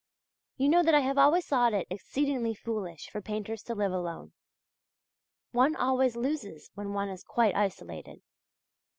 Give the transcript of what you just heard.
You know that I have always thought it exceedingly foolish for painters to live alone; one always loses when one is quite isolated.